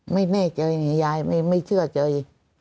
ไม่แน่เจยอย่างนี้ยายไม่เชื่อเจย